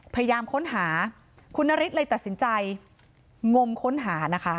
พยายามค้นหาคุณนฤทธิ์เลยตัดสินใจงมค้นหานะคะ